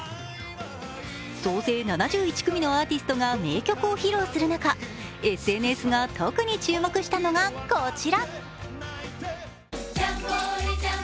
総勢７１組のアーティストが名曲を披露する中、ＳＮＳが特に注目したのがこちら。